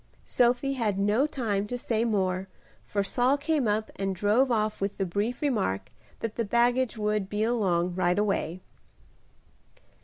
Sophie had no time to say more, for Saul came up and drove off with the brief remark that the baggage would "be along right away."